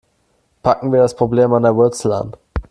Packen wir das Problem an der Wurzel an.